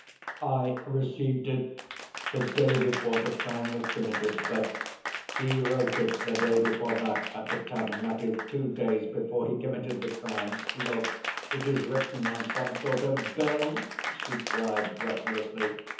"I received it the day before the crime was committed, but he wrote it the day before that, at the tavern—that is, two days before he committed the crime. Look, it is written on some sort of bill!" she cried breathlessly.